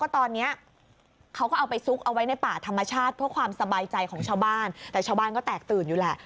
แต่ชาวบ้านก็แตกตื่นอยู่แหละ